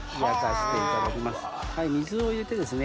水を入れてですね